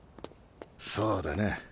そうだな